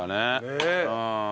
ねえ。